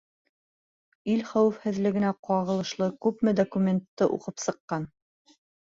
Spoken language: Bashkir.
Ил хәүефһеҙлегенә ҡағылышлы күпме документты уҡып сыҡҡан?